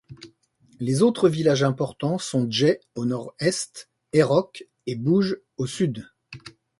Les autres villages importants sont Jeh au nord-est, Airok et Bouj au sud.